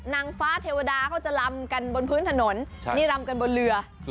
นางฟ้าเทวดาเขาจะลำกันบนพื้นถนนนี่รำกันบนเรือ